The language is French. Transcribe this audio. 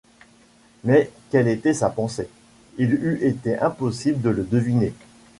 Mais quelle était sa pensée? il eût été impossible de le deviner.